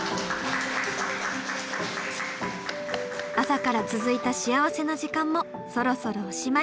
朝から続いた幸せな時間もそろそろおしまい。